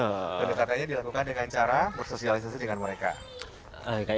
ketika katanya dilakukan dengan cara bersosialisasi dengan mereka